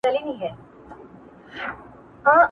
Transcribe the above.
دوی داسې احساس کوي لکه له نړۍ څخه جلا او هير سوي وي,